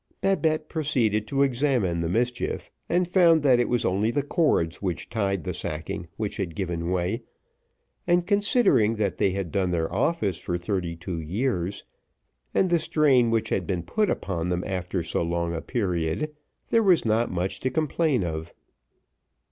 Babette proceeded to examine the mischief, and found that it was only the cords which tied the sacking which had given way, and considering that they had done their office for thirty two years, and the strain which had been put upon them after so long a period, there was not much to complain of.